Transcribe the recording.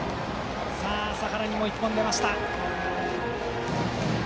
麻原にも１本出ました。